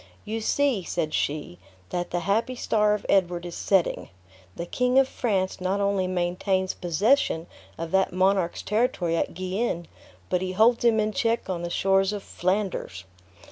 "You see," said she, "that the happy star of Edward is setting. The King of France not only maintains possession of that monarch's territory at Guienne, but he holds him in check on the shores of Flanders.